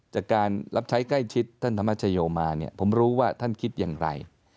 จากการรับใช้ใกล้ชิดท่านธรรมชโยมาเนี่ยผมรู้ว่าท่านคิดอย่างไร